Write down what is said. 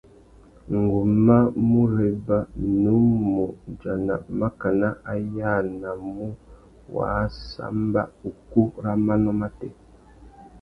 Ngu má mù réba, nnú mù udjana makana a yānamú wāssamba ukú râ manô matê.